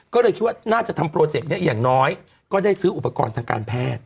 ก็เลยคิดว่าน่าจะทำโปรเจกต์นี้อย่างน้อยก็ได้ซื้ออุปกรณ์ทางการแพทย์